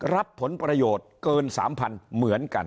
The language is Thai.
รับผลประโยชน์เกิน๓๐๐๐เหมือนกัน